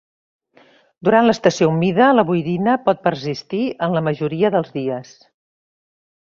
Durant l'estació humida la boirina pot persistir en la majoria dels dies.